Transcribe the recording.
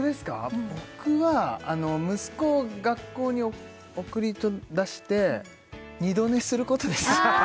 僕は息子を学校に送りだして二度寝することです